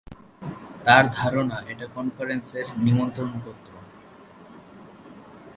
তাঁর ধারণা, এটা কনফারেন্সের নিমন্ত্রণপত্র।